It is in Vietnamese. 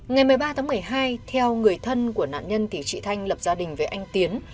ngày một mươi ba tháng một mươi hai theo người thân của nạn nhân thì chị thanh lập gia đình với anh tiến